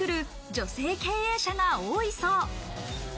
女性経営者が多いそう。